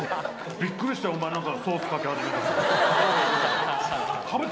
びっくりしたよ、お前、ソースかけ始めて。